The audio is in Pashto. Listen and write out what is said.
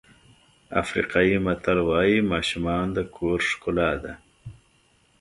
افریقایي متل وایي ماشومان د کور ښکلا ده.